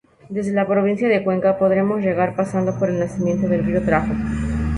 Desde la provincia de Cuenca podremos llegar pasando por el Nacimiento del río Tajo.